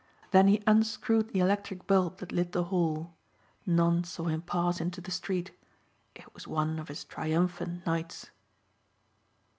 Then he unscrewed the electric bulb that lit the hall. None saw him pass into the street. It was one of his triumphant nights.